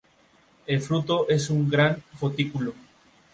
El fruto es una gran folículo.